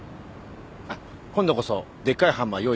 あっ今度こそでっかいハンマー用意しましょうか？